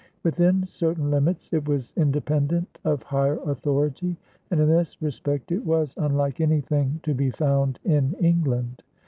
Within certain limits, it was independent of higher authority, and in this respect it was unlike anything to be found in England.